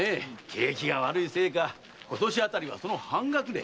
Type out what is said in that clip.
景気が悪いせいか今年あたりはその半額で。